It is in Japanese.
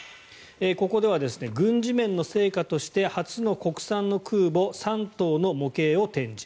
ここでは軍事面の成果として初の国産の空母「山東」の模型を展示。